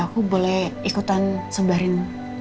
aku boleh ikutan sembahin